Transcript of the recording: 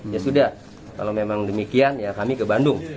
ya sudah kalau memang demikian ya kami ke bandung